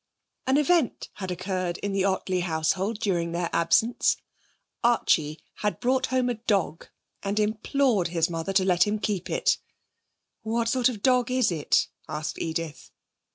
An event had occurred in the Ottley household during their absence. Archie had brought home a dog and implored his mother to let him keep it. 'What sort of dog is it?' asked Edith.